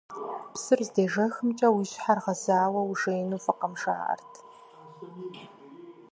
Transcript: Псыр здежэхымкӀэ уи щхьэр гъэзауэ ужеину фӀыкъым, жаӀэрт.